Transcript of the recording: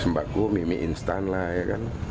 sembako mimi instan lah ya kan